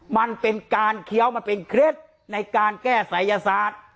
มันเป็นการเคี้ยวมาเป็นเคล็ดในการแก้ศัยศาสตร์